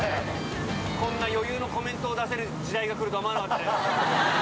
こんな余裕のコメントを出せる時代が来るとは思わなかったです。